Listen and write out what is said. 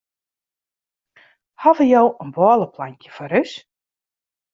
Hawwe jo in bôleplankje foar ús?